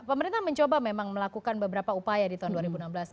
pemerintah mencoba memang melakukan beberapa upaya di tahun dua ribu enam belas